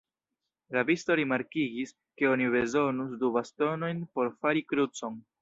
Rabisto rimarkigis, ke oni bezonus du bastonojn por fari krucon.